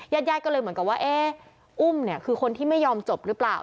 ญาติญาติก็เลยเหมือนกับว่าเอ๊ะอุ้มเนี่ยคือคนที่ไม่ยอมจบหรือเปล่า